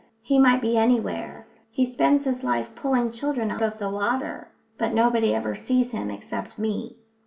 "He might be anywhere. He spends his life pulling children out of the water. But nobody ever sees him except me."